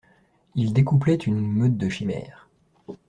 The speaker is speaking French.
Il découplait une meute de chimères.